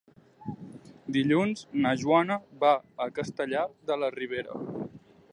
Dilluns na Joana va a Castellar de la Ribera.